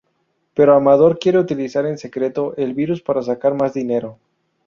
Pero Amador quiere utilizar en secreto el virus para sacar más dinero.